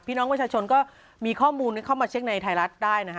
พี่น้องประชาชนก็มีข้อมูลเข้ามาเช็คในไทยรัฐได้นะฮะ